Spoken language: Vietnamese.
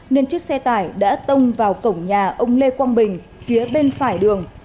nên chiếc xe tải đã tông vào cổng nhà ông lê quang bình phía bên phải đường